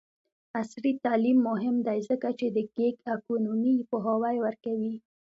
عصري تعلیم مهم دی ځکه چې د ګیګ اکونومي پوهاوی ورکوي.